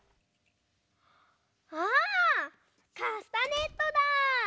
あカスタネットだ！